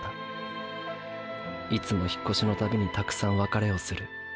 いつも引っ越しのたびにたくさん別れをする。